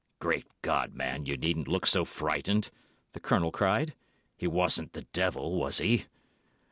"Good God, man, you needn't look so frightened!" the Colonel cried. "He wasn't the devil, was he?"